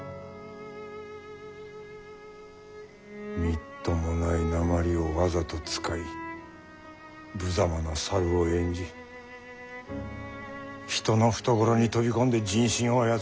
みっともないなまりをわざと使いぶざまな猿を演じ人の懐に飛び込んで人心を操る。